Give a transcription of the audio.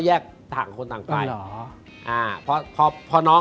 ก็ค่อยมาบอก